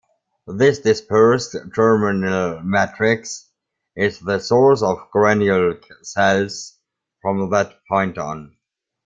This dispersed germinal matrix is the source of granule cells from that point on.